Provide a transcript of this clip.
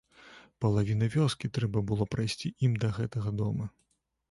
Палавіна вёскі трэба было прайсці ім да гэтага дома.